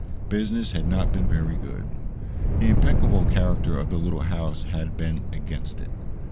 Business had not been very good. The impeccable character of the little house had been against it.